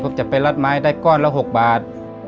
ผมจะไปรัดไม้ได้ก้อนละ๖บาท